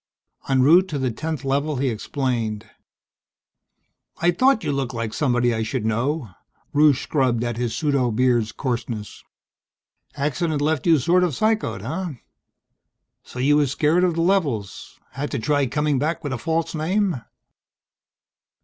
En route to the 10th Level he explained. "I thought you looked like somebody I should know." Rusche scrubbed at his pseudo beard's coarseness. "Accident left you sort of psychoed, huh? So you was scared of the levels? Had to try coming back with a false name?"